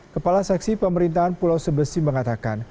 kepala seksi pemerintahan pulau sebesi mengatakan